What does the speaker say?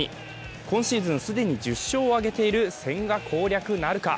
今シーズン、既に１０勝を挙げている千賀攻略なるか。